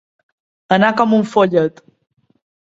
Anar com un follet.